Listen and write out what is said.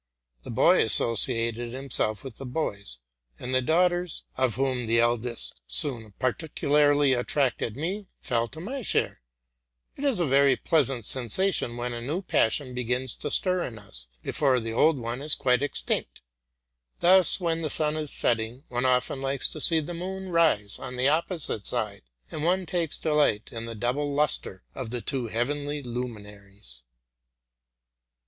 The boy associated himself with the boys; and the daughters, of whom the eldest soon particularly attracted me, fell to my share. It is a very pleas ant sensation when a new passion begins to stir in us, before the old one is quite extinct. Thus, when the sun is setting, one often likes to see the moon rise on the opposite side, and takes delight in the double lustre of the two heavenly luminaries.